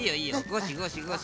ゴシゴシゴシ。